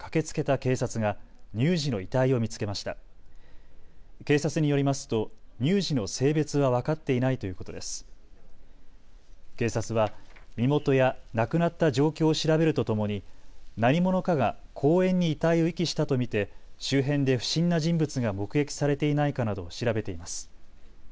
警察は身元や亡くなった状況を調べるとともに何者かが公園に遺体を遺棄したと見て周辺で不審な人物が目撃されていないかなど調べています。